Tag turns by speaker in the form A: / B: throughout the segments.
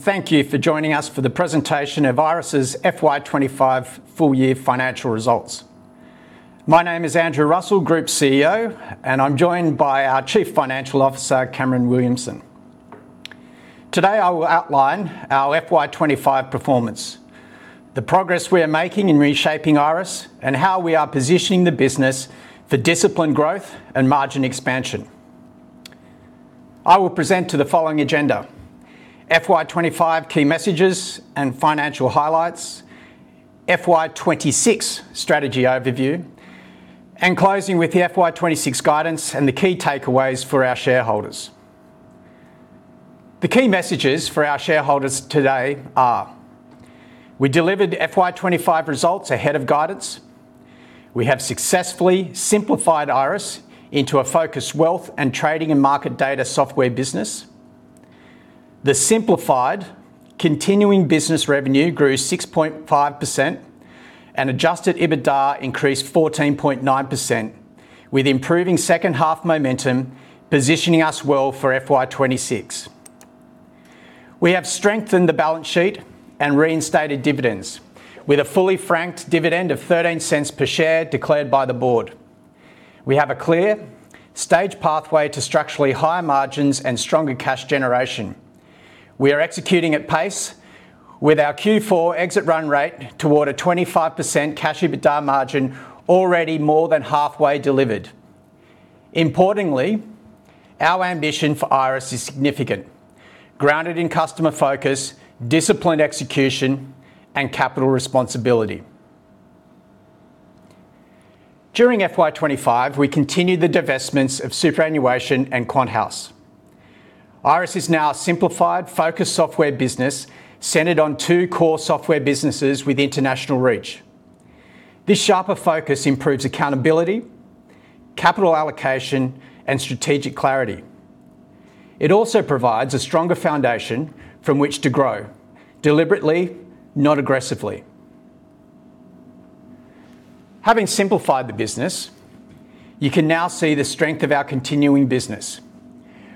A: Thank you for joining us for the presentation of Iress' FY 2025 full year financial results. My name is Andrew Russell, Group CEO, and I'm joined by our Chief Financial Officer, Cameron Williamson. Today, I will outline our FY 2025 performance, the progress we are making in reshaping Iress, and how we are positioning the business for disciplined growth and margin expansion. I will present to the following agenda: FY 2025 key messages and financial highlights, FY 2026 strategy overview, and closing with the FY 2026 guidance and the key takeaways for our shareholders. The key messages for our shareholders today are: We delivered FY 2025 results ahead of guidance. We have successfully simplified Iress into a focused Wealth and Trading and Market Data software business. The simplified continuing business revenue grew 6.5%, and adjusted EBITDA increased 14.9%, with improving second half momentum positioning us well for FY2026. We have strengthened the balance sheet and reinstated dividends, with a fully franked dividend of 0.13 per share declared by the board. We have a clear, staged pathway to structurally higher margins and stronger cash generation. We are executing at pace, with our Q4 exit run rate toward a 25% cash EBITDA margin already more than halfway delivered. Importantly, our ambition for Iress is significant, grounded in customer focus, disciplined execution, and capital responsibility. During FY2025, we continued the divestments of superannuation and QuantHouse. Iress is now a simplified, focused software business centered on two core software businesses with international reach. This sharper focus improves accountability, capital allocation, and strategic clarity. It also provides a stronger foundation from which to grow deliberately, not aggressively. Having simplified the business, you can now see the strength of our continuing business.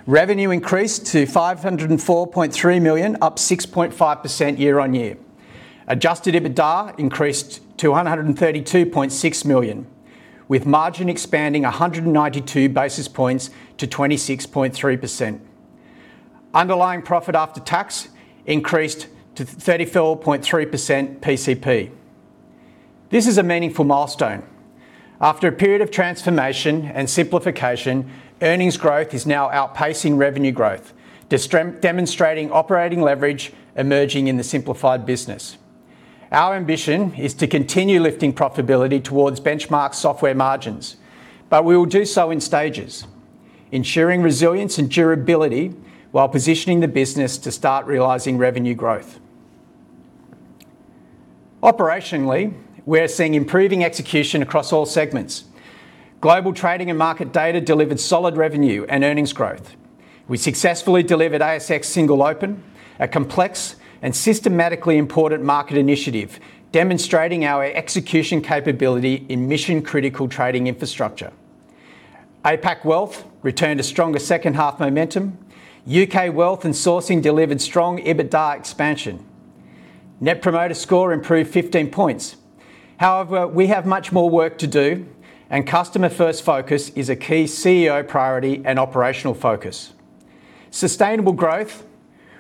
A: Revenue increased to 504.3 million, up 6.5% year-on-year. adjusted EBITDA increased to 132.6 million, with margin expanding 192 basis points to 26.3%. Underlying profit after tax increased to 34.3% PCP. This is a meaningful milestone. After a period of transformation and simplification, earnings growth is now outpacing revenue growth, demonstrating operating leverage emerging in the simplified business. Our ambition is to continue lifting profitability towards benchmark software margins, we will do so in stages, ensuring resilience and durability while positioning the business to start realizing revenue growth. Operationally, we're seeing improving execution across all segments. Global Trading and Market Data delivered solid revenue and earnings growth. We successfully delivered ASX Single Open, a complex and systematically important market initiative, demonstrating our execution capability in mission-critical trading infrastructure. APAC Wealth returned a stronger second half momentum. UK Wealth and Sourcing delivered strong EBITDA expansion. Net promoter score improved 15 points. We have much more work to do, and customer-first focus is a key CEO priority and operational focus. Sustainable growth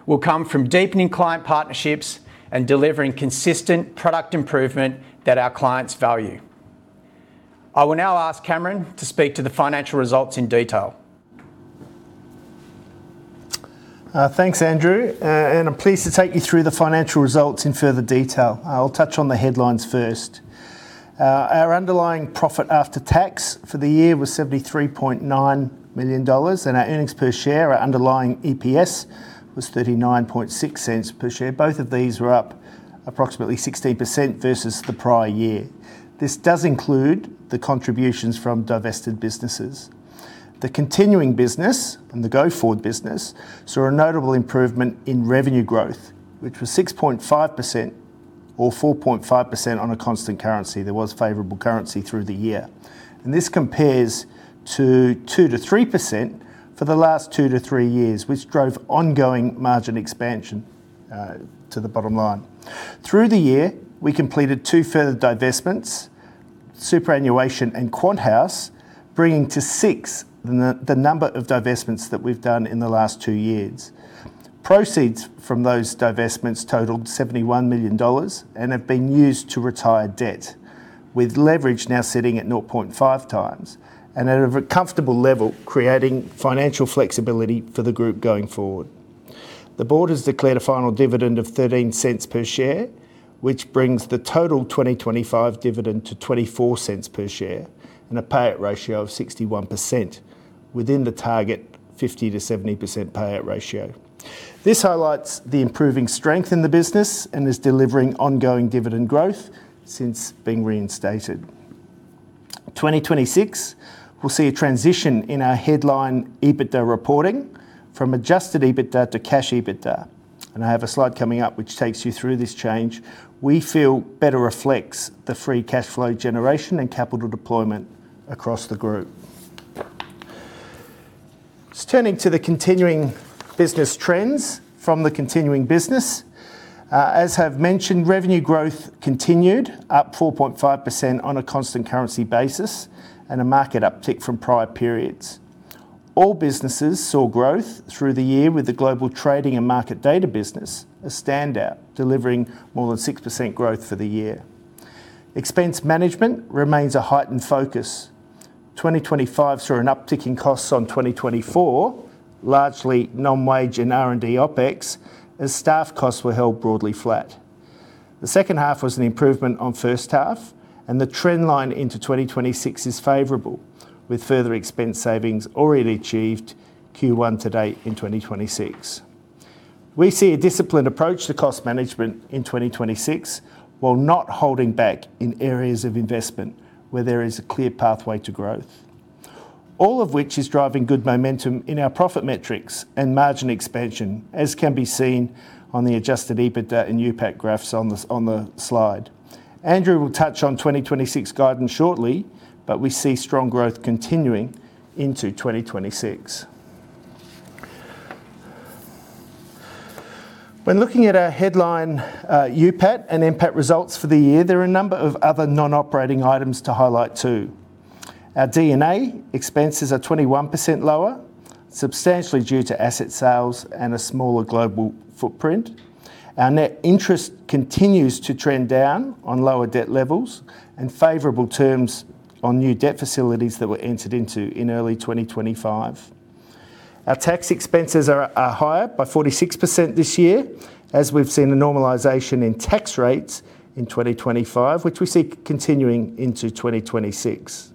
A: will come from deepening client partnerships and delivering consistent product improvement that our clients value. I will now ask Cameron to speak to the financial results in detail.
B: Thanks, Andrew, I'm pleased to take you through the financial results in further detail. I'll touch on the headlines first. Our underlying profit after tax for the year was AUD 73.9 million, our earnings per share, our underlying EPS, was 0.396 per share. Both of these were up approximately 16% versus the prior year. This does include the contributions from divested businesses. The continuing business and the go-forward business saw a notable improvement in revenue growth, which was 6.5% or 4.5% on a constant currency. There was favorable currency through the year, and this compares to 2%-3% for the last 2-3 years, which drove ongoing margin expansion to the bottom line. Through the year, we completed two further divestments, superannuation and QuantHouse, bringing to six the number of divestments that we've done in the last two years. Proceeds from those divestments totaled 71 million dollars and have been used to retire debt, with leverage now sitting at 0.5x and at a comfortable level, creating financial flexibility for the group going forward. The board has declared a final dividend of 0.13 per share, which brings the total 2025 dividend to 0.24 per share and a payout ratio of 61%, within the target 50%-70% payout ratio. This highlights the improving strength in the business and is delivering ongoing dividend growth since being reinstated. 2026, we'll see a transition in our headline EBITDA reporting from adjusted EBITDA to cash EBITDA, and I have a slide coming up which takes you through this change we feel better reflects the free cash flow generation and capital deployment across the group. Just turning to the continuing business trends from the continuing business. As I have mentioned, revenue growth continued, up 4.5% on a constant currency basis and a market uptick from prior periods. All businesses saw growth through the year, with the Global Trading and Market Data business a standout, delivering more than 6% growth for the year. Expense management remains a heightened focus. 2025 saw an uptick in costs on 2024, largely non-wage and R&D OpEx, as staff costs were held broadly flat. The second half was an improvement on first half, and the trend line into 2026 is favorable, with further expense savings already achieved Q1 to date in 2026. We see a disciplined approach to cost management in 2026, while not holding back in areas of investment where there is a clear pathway to growth. All of which is driving good momentum in our profit metrics and margin expansion, as can be seen on the adjusted EBITDA and UPAT graphs on the slide. Andrew will touch on 2026 guidance shortly, but we see strong growth continuing into 2026. When looking at our headline UPAT and NPAT results for the year, there are a number of other non-operating items to highlight, too. Our D&A expenses are 21% lower, substantially due to asset sales and a smaller global footprint. Our net interest continues to trend down on lower debt levels and favorable terms on new debt facilities that were entered into in early 2025. Our tax expenses are higher by 46% this year, as we've seen a normalization in tax rates in 2025, which we see continuing into 2026.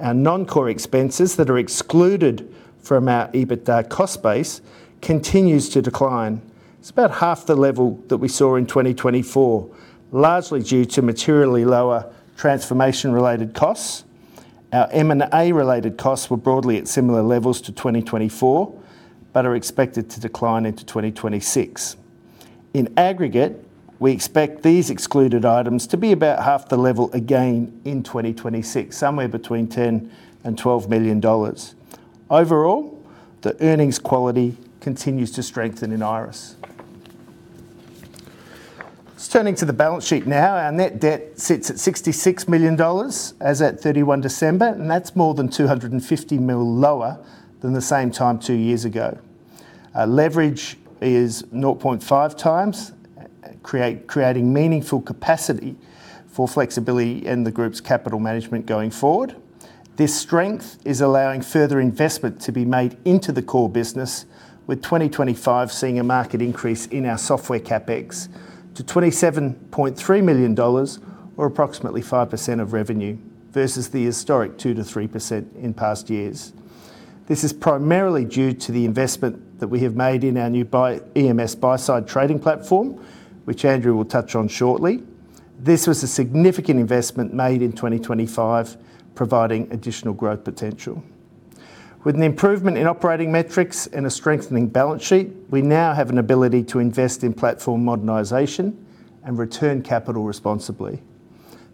B: Our non-core expenses that are excluded from our EBITDA cost base continues to decline. It's about half the level that we saw in 2024, largely due to materially lower transformation-related costs. Our M&A-related costs were broadly at similar levels to 2024, but are expected to decline into 2026. In aggregate, we expect these excluded items to be about half the level again in 2026, somewhere between 10 million-12 million dollars. Overall, the earnings quality continues to strengthen in Iress. Just turning to the balance sheet now. Our net debt sits at 66 million dollars as at 31st December. That's more than 250 million lower than the same time two years ago. Our leverage is 0.5x, creating meaningful capacity for flexibility in the group's capital management going forward. This strength is allowing further investment to be made into the core business, with 2025 seeing a market increase in our software CapEx to 27.3 million dollars, or approximately 5% of revenue, versus the historic 2%-3% in past years. This is primarily due to the investment that we have made in our new EMS buy-side trading platform, which Andrew will touch on shortly. This was a significant investment made in 2025, providing additional growth potential. With an improvement in operating metrics and a strengthening balance sheet, we now have an ability to invest in platform modernization and return capital responsibly.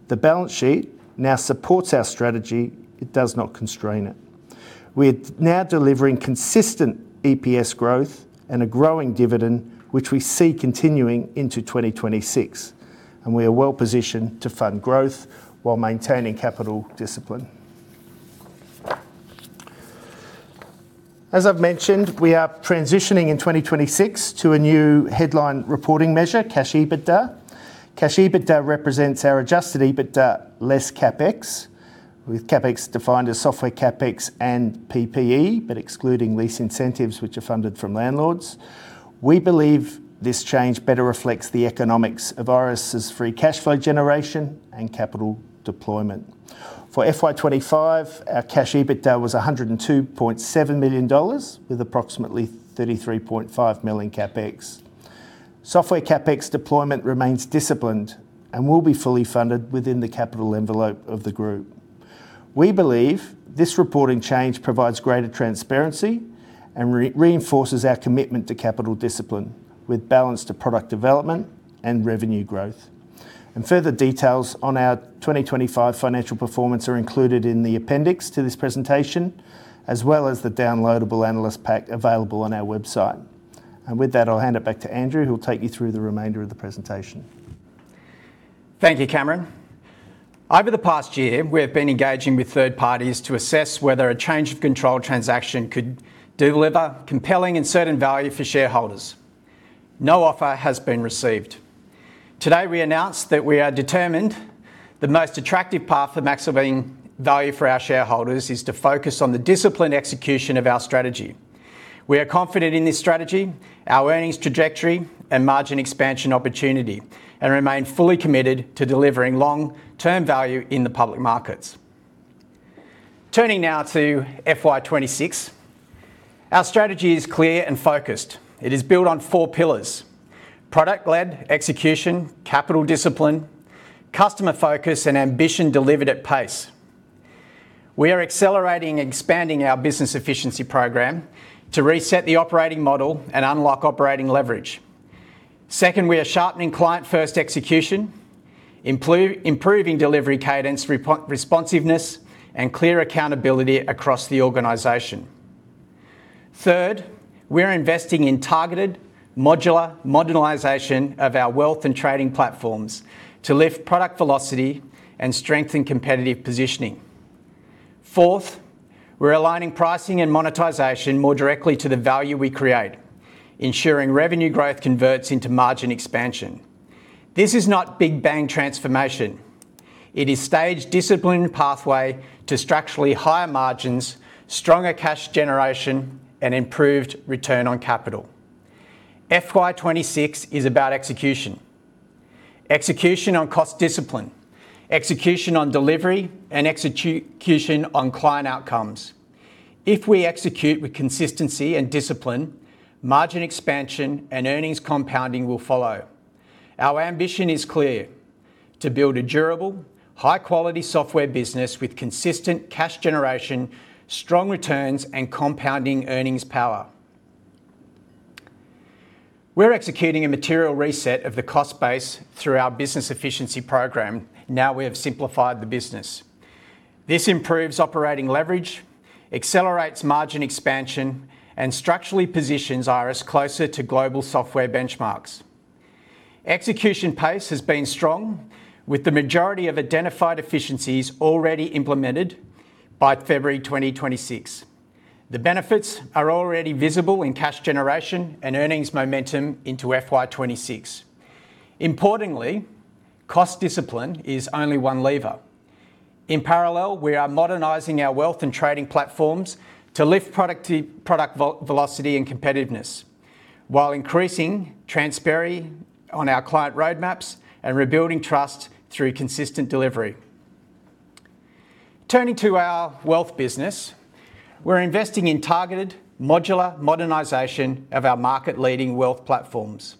B: The balance sheet now supports our strategy. It does not constrain it. We're now delivering consistent EPS growth and a growing dividend, which we see continuing into 2026, and we are well positioned to fund growth while maintaining capital discipline. As I've mentioned, we are transitioning in 2026 to a new headline reporting measure, cash EBITDA. Cash EBITDA represents our adjusted EBITDA less CapEx, with CapEx defined as software CapEx and PPE, but excluding lease incentives, which are funded from landlords. We believe this change better reflects the economics of Iress's free cash flow generation and capital deployment. For FY 2025, our cash EBITDA was 102.7 million dollars, with approximately 33.5 million in CapEx. Software CapEx deployment remains disciplined and will be fully funded within the capital envelope of the group. We believe this reporting change provides greater transparency and reinforces our commitment to capital discipline, with balance to product development and revenue growth. Further details on our 2025 financial performance are included in the appendix to this presentation, as well as the downloadable analyst pack available on our website. With that, I'll hand it back to Andrew, who will take you through the remainder of the presentation.
A: Thank you, Cameron. Over the past year, we have been engaging with third parties to assess whether a change of control transaction could deliver compelling and certain value for shareholders. No offer has been received. Today, we announce that we are determined the most attractive path for maximizing value for our shareholders is to focus on the disciplined execution of our strategy. We are confident in this strategy, our earnings trajectory, and margin expansion opportunity, remain fully committed to delivering long-term value in the public markets. Turning now to FY 2026, our strategy is clear and focused. It is built on four pillars: product-led execution, capital discipline, customer focus, and ambition delivered at pace. We are accelerating and expanding our business efficiency program to reset the operating model and unlock operating leverage. Second, we are sharpening client-first execution, improving delivery cadence, responsiveness, and clear accountability across the organization. Third, we are investing in targeted, modular modernization of our wealth and trading platforms to lift product velocity and strengthen competitive positioning. Fourth, we're aligning pricing and monetization more directly to the value we create, ensuring revenue growth converts into margin expansion. This is not big bang transformation. It is staged, disciplined pathway to structurally higher margins, stronger cash generation, and improved return on capital. FY 2026 is about execution. Execution on cost discipline, execution on delivery, and execution on client outcomes. If we execute with consistency and discipline, margin expansion and earnings compounding will follow. Our ambition is clear: to build a durable, high-quality software business with consistent cash generation, strong returns, and compounding earnings power. We're executing a material reset of the cost base through our business efficiency program, now we have simplified the business. This improves operating leverage, accelerates margin expansion, and structurally positions Iress closer to global software benchmarks. Execution pace has been strong, with the majority of identified efficiencies already implemented by February 2026. The benefits are already visible in cash generation and earnings momentum into FY 2026. Cost discipline is only one lever. We are modernizing our wealth and trading platforms to lift product velocity and competitiveness, while increasing transparency on our client roadmaps and rebuilding trust through consistent delivery. We're investing in targeted, modular modernization of our market-leading wealth platforms.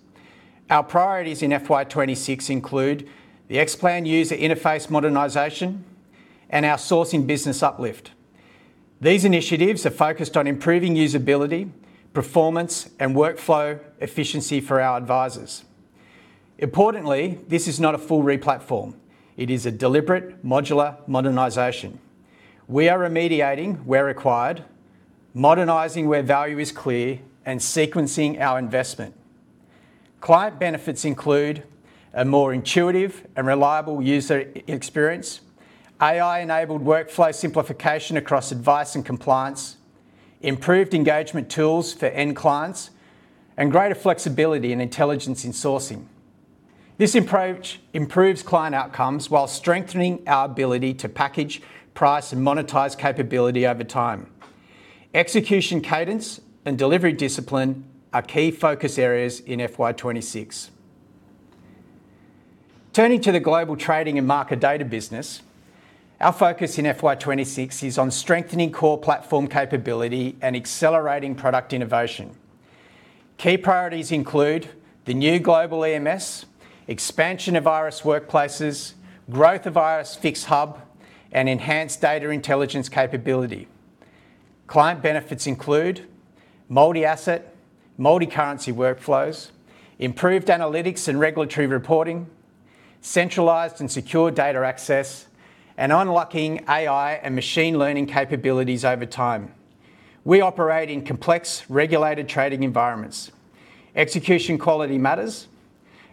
A: Our priorities in FY 2026 include the Xplan user interface modernization and our sourcing business uplift. These initiatives are focused on improving usability, performance, and workflow efficiency for our advisors. Importantly, this is not a full replatform. It is a deliberate, modular modernization. We are remediating where required, modernizing where value is clear, and sequencing our investment. Client benefits include a more intuitive and reliable user experience, AI-enabled workflow simplification across advice and compliance, improved engagement tools for end clients, and greater flexibility and intelligence in sourcing. This approach improves client outcomes while strengthening our ability to package, price, and monetize capability over time. Execution cadence and delivery discipline are key focus areas in FY 2026. Turning to the Global Trading and Market Data business, our focus in FY 2026 is on strengthening core platform capability and accelerating product innovation. Key priorities include the new global EMS, expansion of Iress Workplaces, growth of Iress FIX Hub, and enhanced data intelligence capability. Client benefits include multi-asset, multi-currency workflows, improved analytics and regulatory reporting, centralized and secure data access, and unlocking AI and machine learning capabilities over time. We operate in complex, regulated trading environments. Execution quality matters.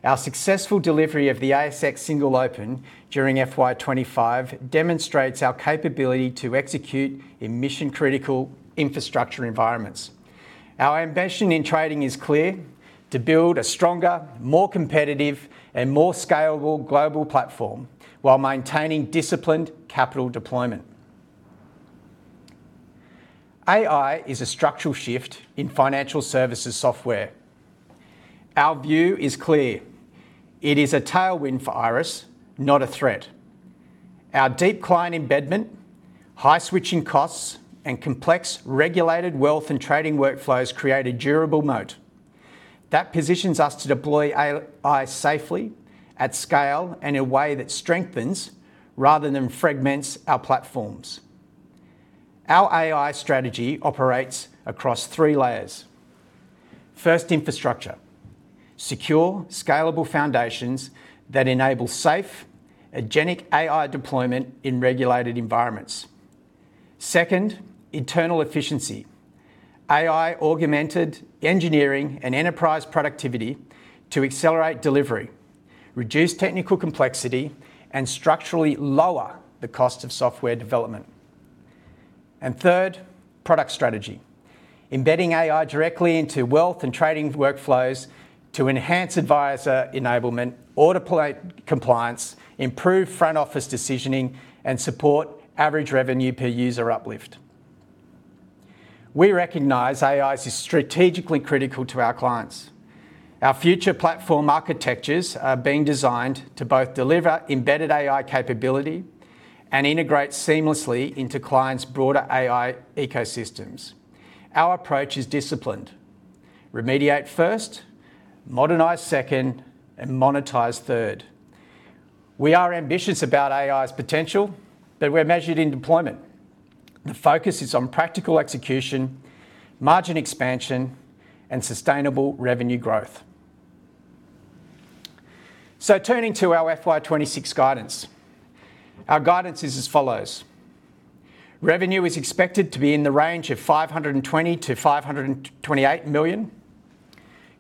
A: Our successful delivery of the ASX Single Open during FY 2025 demonstrates our capability to execute in mission-critical infrastructure environments. Our ambition in trading is clear: to build a stronger, more competitive, and more scalable global platform while maintaining disciplined capital deployment. AI is a structural shift in financial services software. Our view is clear: It is a tailwind for Iress, not a threat. Our deep client embedment, high switching costs, and complex regulated wealth and trading workflows create a durable moat. That positions us to deploy AI safely, at scale, and in a way that strengthens, rather than fragments, our platforms. Our AI strategy operates across three layers. First, infrastructure: secure, scalable foundations that enable safe, agentic AI deployment in regulated environments. Second, internal efficiency: AI-augmented engineering and enterprise productivity to accelerate delivery, reduce technical complexity, and structurally lower the cost of software development. Third, product strategy: embedding AI directly into wealth and trading workflows to enhance advisor enablement, automate compliance, improve front office decisioning, and support average revenue per user uplift. We recognize AI is strategically critical to our clients. Our future platform architectures are being designed to both deliver embedded AI capability and integrate seamlessly into clients' broader AI ecosystems. Our approach is disciplined: remediate first, modernize second, and monetize third.... We are ambitious about AI's potential, but we're measured in deployment. The focus is on practical execution, margin expansion, and sustainable revenue growth. Turning to our FY 2026 guidance. Our guidance is as follows: Revenue is expected to be in the range of 520 million-528 million.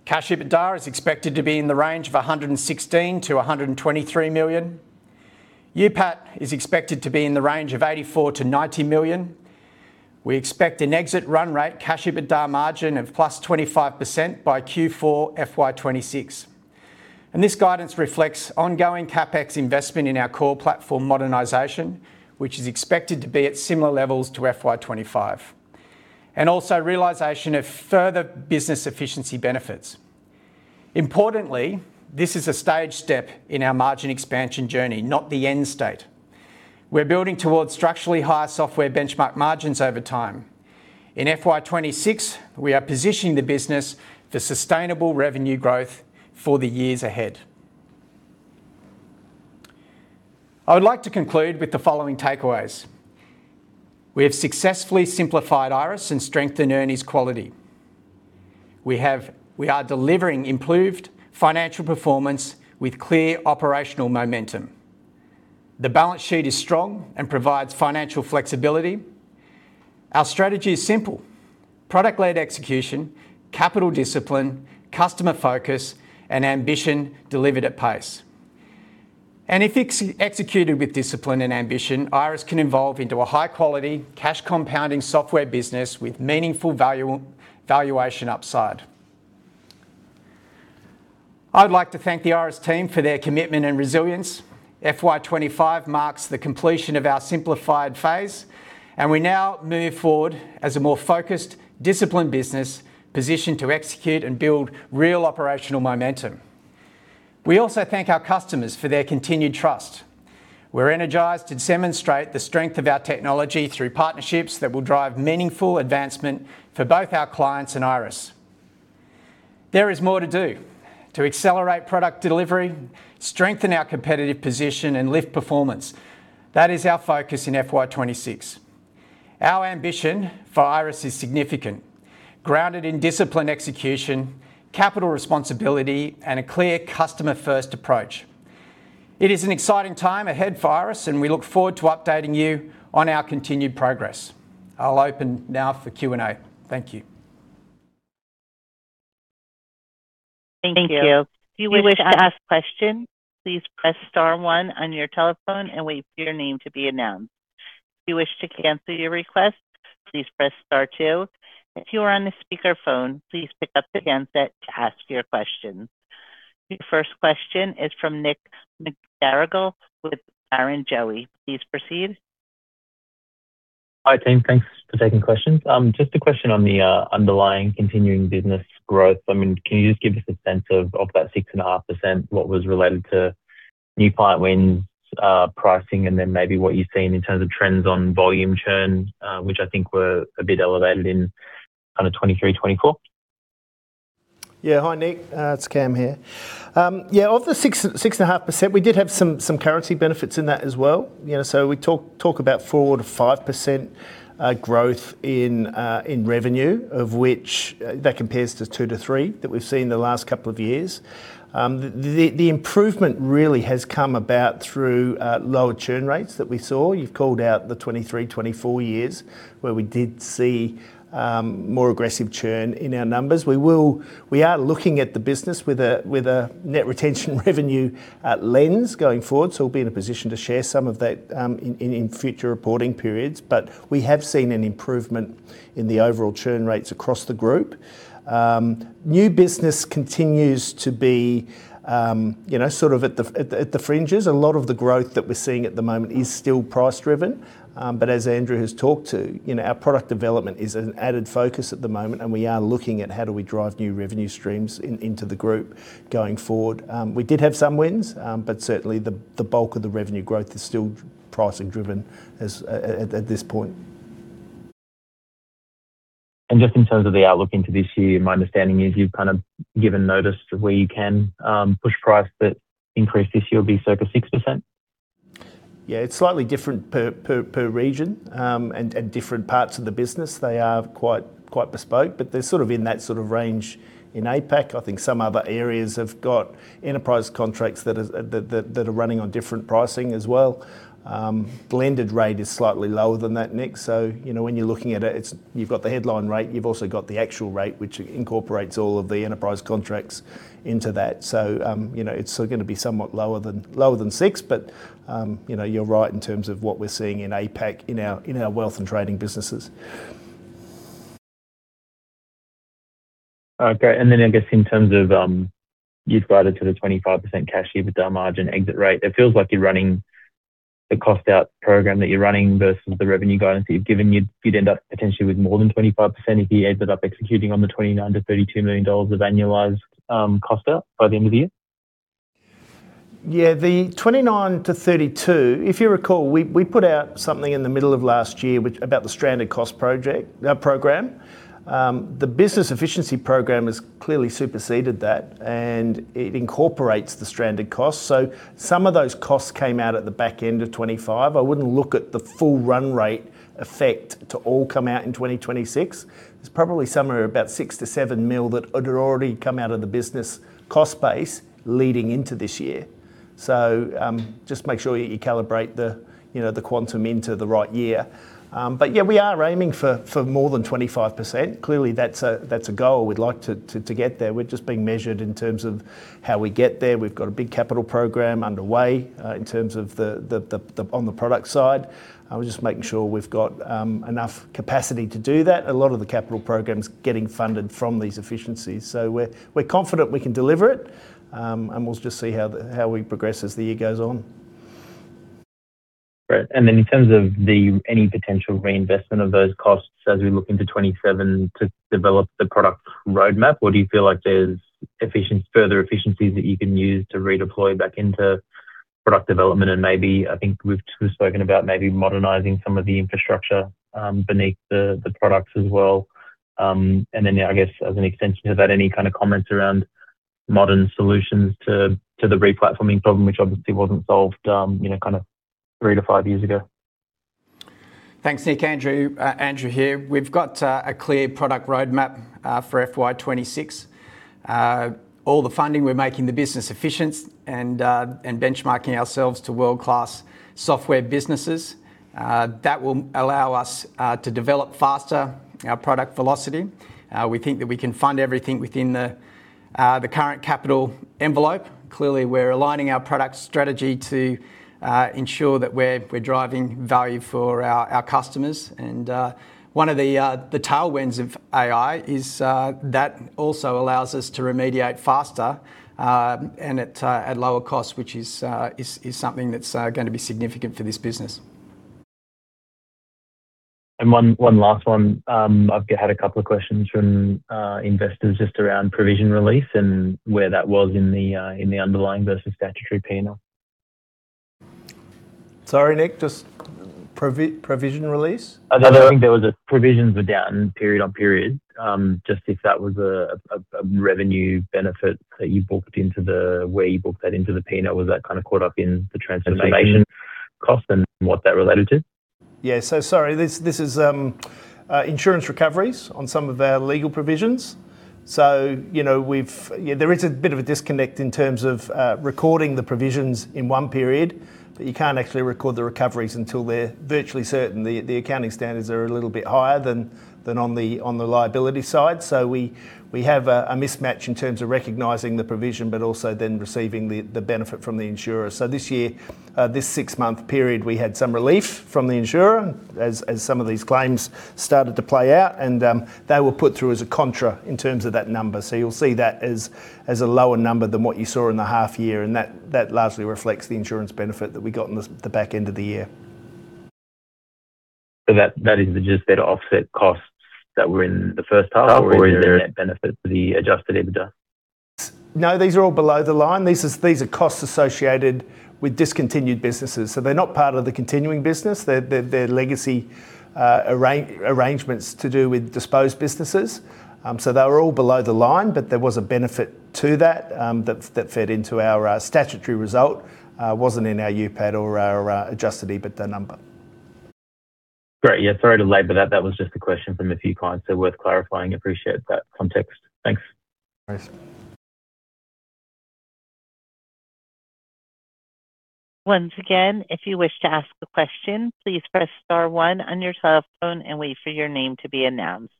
A: Cash EBITDA is expected to be in the range of 116 million-123 million. UPAT is expected to be in the range of 84 million-90 million. We expect an exit run rate cash EBITDA margin of +25% by Q4 FY26. This guidance reflects ongoing CapEx investment in our core platform modernization, which is expected to be at similar levels to FY25, and also realization of further business efficiency benefits. Importantly, this is a stage step in our margin expansion journey, not the end state. We're building towards structurally higher software benchmark margins over time. In FY2026, we are positioning the business for sustainable revenue growth for the years ahead. I would like to conclude with the following takeaways. We have successfully simplified Iress and strengthened earnings quality. We are delivering improved financial performance with clear operational momentum. The balance sheet is strong and provides financial flexibility. Our strategy is simple: product-led execution, capital discipline, customer focus, and ambition delivered at pace. If ex-executed with discipline and ambition, Iress can evolve into a high-quality, cash-compounding software business with meaningful valuation upside. I'd like to thank the Iress team for their commitment and resilience. FY 2025 marks the completion of our simplified phase, and we now move forward as a more focused, disciplined business, positioned to execute and build real operational momentum. We also thank our customers for their continued trust. We're energized to demonstrate the strength of our technology through partnerships that will drive meaningful advancement for both our clients and Iress. There is more to do to accelerate product delivery, strengthen our competitive position, and lift performance. That is our focus in FY 2026. Our ambition for Iress is significant, grounded in disciplined execution, capital responsibility, and a clear customer-first approach. It is an exciting time ahead for Iress, and we look forward to updating you on our continued progress. I'll open now for Q&A. Thank you.
C: Thank you. If you wish to ask question, please press star one on your telephone and wait for your name to be announced. If you wish to cancel your request, please press star two. If you are on a speakerphone, please pick up the handset to ask your question. The first question is from Nick McGarrigle with Barrenjoey. Please proceed.
D: Hi, team. Thanks for taking questions. Just a question on the underlying continuing business growth. I mean, can you just give us a sense of that 6.5%, what was related to new client wins, pricing, and then maybe what you're seeing in terms of trends on volume churn, which I think were a bit elevated in kind of 2023, 2024?
B: Hi, Nick, it's Cam here. Yeah, of the 6.5%, we did have some currency benefits in that as well. You know, so we talk about 4%-5% growth in revenue, of which that compares to 2%-3% that we've seen in the last couple of years. The improvement really has come about through lower churn rates that we saw. You've called out the 2023, 2024 years, where we did see more aggressive churn in our numbers. We are looking at the business with a net revenue retention lens going forward, so we'll be in a position to share some of that in future reporting periods. We have seen an improvement in the overall churn rates across the group. New business continues to be, you know, sort of at the fringes. A lot of the growth that we're seeing at the moment is still price driven. As Andrew has talked to, you know, our product development is an added focus at the moment, and we are looking at how do we drive new revenue streams in, into the group going forward. We did have some wins, but certainly the bulk of the revenue growth is still pricing driven as at this point.
D: Just in terms of the outlook into this year, my understanding is you've kind of given notice to where you can, push price, but increase this year will be circa 6%?
B: Yeah, it's slightly different per region and different parts of the business. They are quite bespoke, but they're sort of in that sort of range in APAC. I think some other areas have got enterprise contracts that are running on different pricing as well. Blended rate is slightly lower than that, Nick. You know, when you're looking at it, you've got the headline rate, you've also got the actual rate, which incorporates all of the enterprise contracts into that. You know, it's still gonna be somewhat lower than 6, but, you know, you're right in terms of what we're seeing in APAC, in our wealth and trading businesses.
D: Okay. I guess, in terms of, you've guided to the 25% cash EBITDA margin exit rate, it feels like you're running the cost out program that you're running versus the revenue guidance that you've given, you'd end up potentially with more than 25% if you ended up executing on the 29 million-32 million dollars of annualized cost out by the end of the year?
B: The 29 million-32 million, if you recall, we put out something in the middle of last year about the stranded cost program. The business efficiency program has clearly superseded that, and it incorporates the stranded costs. Some of those costs came out at the back end of 2025. I wouldn't look at the full run rate effect to all come out in 2026. There's probably somewhere about 6 million-7 million that had already come out of the business cost base leading into this year. Just make sure you calibrate the, you know, the quantum into the right year. We are aiming for more than 25%. Clearly, that's a goal. We'd like to get there. We're just being measured in terms of how we get there. We've got a big capital program underway in terms of the product side. We're just making sure we've got enough capacity to do that. A lot of the capital programs getting funded from these efficiencies. We're confident we can deliver it, and we'll just see how we progress as the year goes on.
D: Great. In terms of the, any potential reinvestment of those costs as we look into 2027 to develop the product roadmap, or do you feel like there's efficiency, further efficiencies that you can use to redeploy back into product development? Maybe, I think we've spoken about maybe modernizing some of the infrastructure beneath the products as well. Yeah, I guess, as an extension to that, any kind of comments around modern solutions to the replatforming problem, which obviously wasn't solved, you know, kind of three to five years ago?
A: Thanks, Nick. Andrew here. We've got a clear product roadmap for FY2026. All the funding, we're making the business efficient and benchmarking ourselves to world-class software businesses. That will allow us to develop faster our product velocity. We think that we can fund everything within the current capital envelope. Clearly, we're aligning our product strategy to ensure that we're driving value for our customers. One of the tailwinds of AI is that also allows us to remediate faster and at lower cost, which is something that's going to be significant for this business.
D: One last one. I've had two questions from investors just around provision release and where that was in the underlying versus statutory P&L.
B: Sorry, Nick, just provision release?
D: I think there was a provisions were down period on period. Just if that was a revenue benefit that you booked where you booked that into the P&L, was that kind of caught up in the transformation cost and what that related to?
B: Sorry, this is insurance recoveries on some of our legal provisions. You know, there is a bit of a disconnect in terms of recording the provisions in one period, but you can't actually record the recoveries until they're virtually certain. The accounting standards are a little bit higher than on the liability side. We have a mismatch in terms of recognizing the provision, but also then receiving the benefit from the insurer. This year, this six month period, we had some relief from the insurer as some of these claims started to play out, and they were put through as a contra in terms of that number. You'll see that as a lower number than what you saw in the half year, and that largely reflects the insurance benefit that we got in the back end of the year.
D: that is just there to offset costs that were in the first half.
B: Half-
D: Is there a net benefit to the adjusted EBITDA?
B: No, these are all below the line. These are costs associated with discontinued businesses. They're not part of the continuing business. They're legacy arrangements to do with disposed businesses. They were all below the line, but there was a benefit to that fed into our statutory result. Wasn't in our UPAD or our adjusted EBITDA number.
D: Great. Yeah, sorry to labor that. That was just a question from a few clients, so worth clarifying. Appreciate that context. Thanks.
B: Thanks.
C: Once again, if you wish to ask a question, please Press Star one on your telephone and wait for your name to be announced.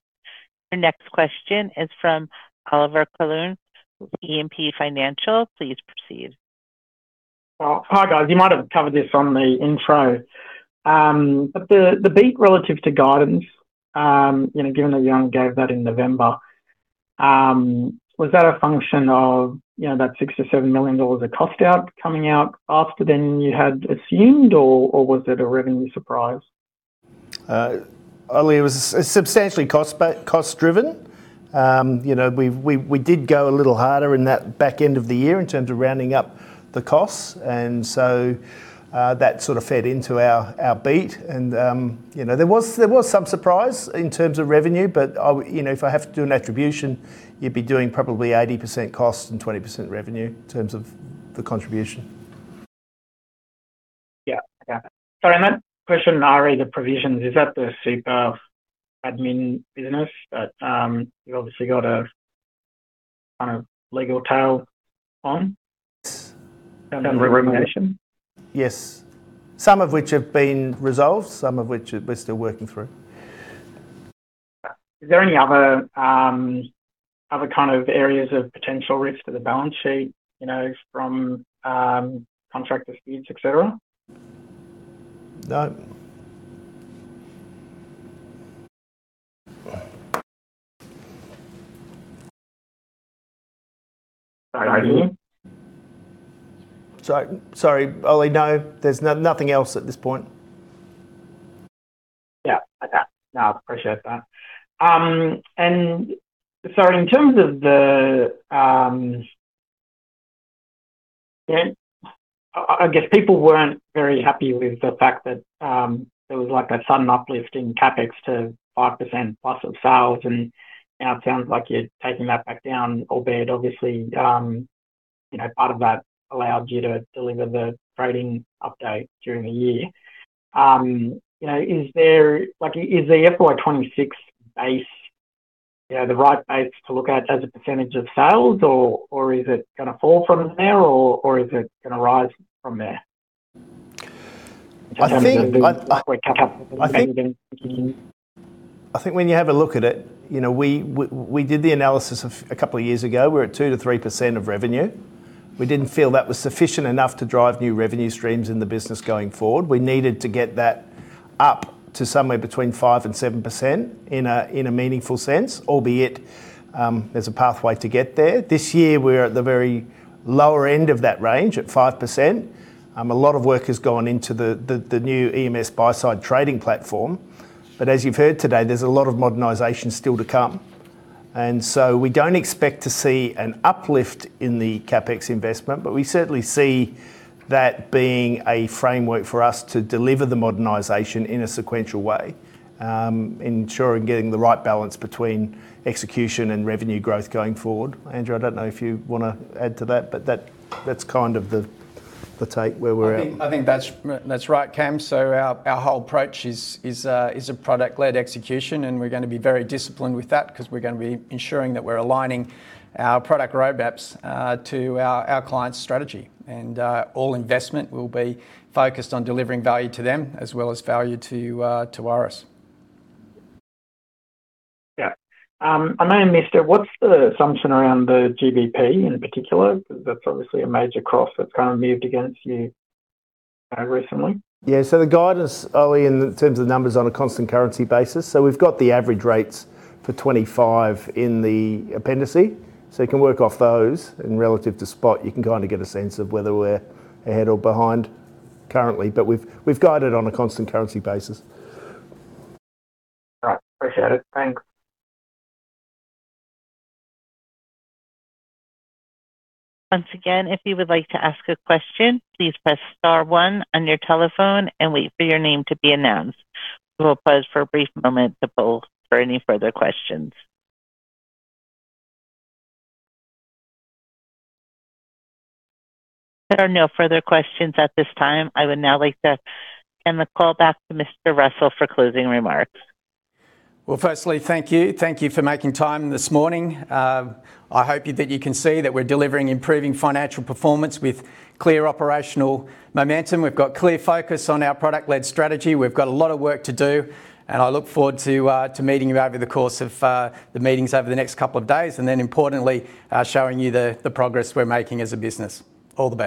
C: Our next question is from Olivier Coulon, E&P Financial Group. Please proceed.
E: Hi, guys. You might have covered this on the intro. The beat relative to guidance, given that you gave that in November, was that a function of that 6 million-7 million dollars of cost out coming out after then you had assumed, or was it a revenue surprise?
B: Oli, it was substantially cost driven. You know, we did go a little harder in that back end of the year in terms of rounding up the costs, and so, that sort of fed into our beat. You know, there was some surprise in terms of revenue, but I, you know, if I have to do an attribution, you'd be doing probably 80% cost and 20% revenue in terms of the contribution.
E: Yeah. Yeah. Sorry, that question on re the provisions, is that the super admin business that you've obviously got a kind of legal tail on?
B: Yes.
E: Remediation.
B: Yes. Some of which have been resolved, some of which we're still working through.
E: Is there any other kind of areas of potential risk to the balance sheet, you know, from, contractor speeds, et cetera?
B: No.
E: Are you muted?
B: Sorry, Oli. No, there's no, nothing else at this point....
E: Yeah, I, no, I appreciate that. In terms of the, yeah, I guess people weren't very happy with the fact that there was, like, a sudden uplift in CapEx to 5% plus of sales, and, you know, it sounds like you're taking that back down, albeit obviously, you know, part of that allowed you to deliver the trading update during the year. You know, is there, like, is the FY2026 base, you know, the right base to look at as a percentage of sales, or is it gonna fall from there, or is it gonna rise from there?
B: I think.
E: Quick cap up.
B: I think when you have a look at it, you know, we did the analysis of a couple of years ago. We were at 2%-3% of revenue. We didn't feel that was sufficient enough to drive new revenue streams in the business going forward. We needed to get that up to somewhere between 5% and 7% in a meaningful sense, albeit, there's a pathway to get there. This year, we're at the very lower end of that range, at 5%. A lot of work has gone into the new EMS buy-side trading platform. As you've heard today, there's a lot of modernization still to come, and so we don't expect to see an uplift in the CapEx investment, but we certainly see that being a framework for us to deliver the modernization in a sequential way, ensuring getting the right balance between execution and revenue growth going forward. Andrew, I don't know if you wanna add to that, but that's kind of the take where we're at.
A: I think that's right, Cam. Our whole approach is a product-led execution, and we're gonna be very disciplined with that'cause we're gonna be ensuring that we're aligning our product roadmaps to our clients' strategy. All investment will be focused on delivering value to them as well as value to Iress.
E: Yeah. I mean, mister, what's the assumption around the GBP in particular? That's obviously a major cross that's kind of moved against you recently?
B: The guidance, Ollie, in terms of the numbers on a constant currency basis, so we've got the average rates for 2025 in the appendix, so you can work off those, and relative to spot, you can kind of get a sense of whether we're ahead or behind currently. We've guided on a constant currency basis.
E: All right. Appreciate it. Thanks.
C: Once again, if you would like to ask a question, please press star one on your telephone and wait for your name to be announced. We will pause for a brief moment to poll for any further questions. There are no further questions at this time. I would now like to hand the call back to Mr. Russell for closing remarks.
A: Well, firstly, thank you. Thank you for making time this morning. I hope that you can see that we're delivering improving financial performance with clear operational momentum. We've got clear focus on our product-led strategy. We've got a lot of work to do, and I look forward to meeting you over the course of the meetings over the next couple of days and then, importantly, showing you the progress we're making as a business. All the best.